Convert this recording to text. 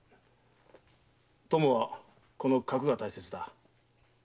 「朋」はこの画が大切だ。